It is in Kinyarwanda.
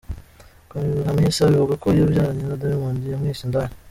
Hamisa bivugwa ko yabyaranye na Diamond, yamwise indaya.